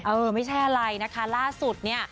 เออไม่ใช่อะไรนะคะล่าสุดเนี่ย